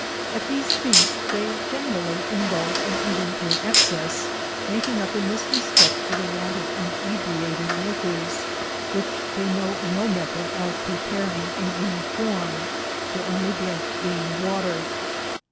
At these feasts they generally indulge in eating to as excess, making up in this respect for thar want of iniebratiog liquors, which they know no method of preparing in any form, their only drink being watef.